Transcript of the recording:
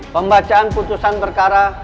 pembacaan putusan berkara